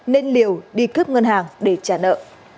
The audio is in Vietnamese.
nên liều đi cướp ngân hàng để trả nợ